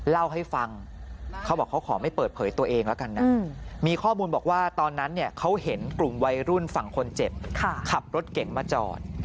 เล่าให้ฟังเขาบอกเขาขอไม่เปิดเผยตัวเองแล้วกันนะมีข้อมูลบอกว่าตอนนั้นเนี่ยเขาเห็นกลุ่มวัยรุ่นฝั่งคนเจ็บขับรถเก่งมาจอด